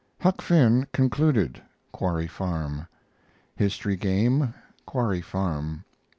HUCK FINN concluded (Quarry Farm). HISTORY GAME (Quarry Farm).